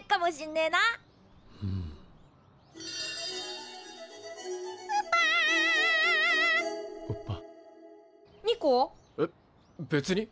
えっ別に。